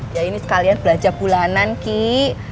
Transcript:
ya ini sekalian belanja bulanan ki